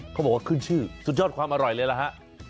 เขาบอกว่าขึ้นชื่อสุดยอดความอร่อยเลยล่ะฮะ